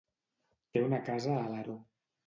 Té una casa a Alaró.